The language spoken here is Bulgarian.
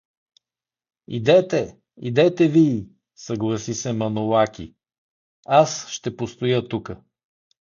— Идете, идете вий — съгласи се Манолаки, — аз ще постоя тука.